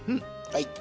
はい。